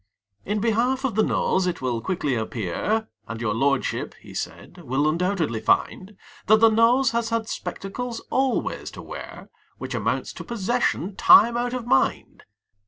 In behalf of the Nose it will quickly appear, And your lordship, he said, will undoubtedly find, That the Nose has had spectacles always to wear, Which amounts to possession time out of mind.